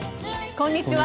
こんにちは。